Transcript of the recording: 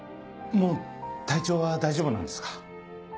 もう体調は大丈夫なんですか？